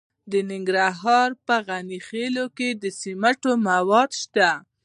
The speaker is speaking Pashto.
د ننګرهار په غني خیل کې د سمنټو مواد شته.